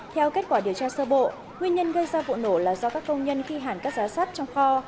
theo kết quả điều tra sơ bộ nguyên nhân gây ra vụ nổ là do các công nhân khi hàn cắt giá sắt trong kho